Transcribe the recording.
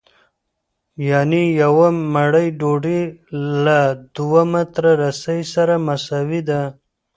یانې یوه مړۍ ډوډۍ له دوه متره رسۍ سره مساوي ده